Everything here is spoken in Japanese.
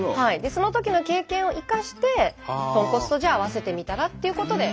そのときの経験を生かして豚骨とじゃあ合わせてみたらっていうことで。